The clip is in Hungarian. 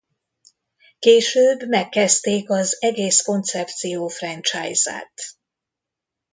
Később megkezdték az egész koncepció franchise-át.